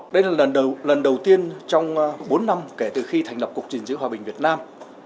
đây là lần đầu tiên trong bốn năm kể từ khi thành lập cục trình diễn hòa bình việt nam